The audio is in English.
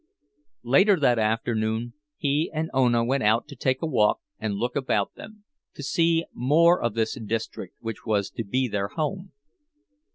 Later that afternoon he and Ona went out to take a walk and look about them, to see more of this district which was to be their home.